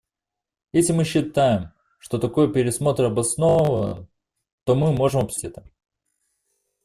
Если мы считаем, что такой пересмотр обоснован, то мы можем обсудить это.